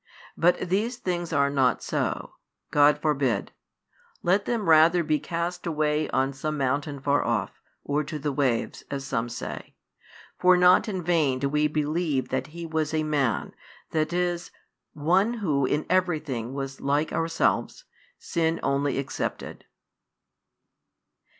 But these things are not so: God forbid. Let them rather be "cast away on some mountain far off, or to the waves," 2 as some say. For not in vain do we believe that He was a Man, that is, one Who in everything was like ourselves, sin only excepted.